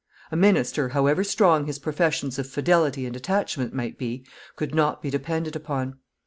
A minister, however strong his professions of fidelity and attachment might be, could not be depended upon.